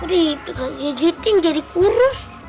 gede itu gak ngejiting jadi kurus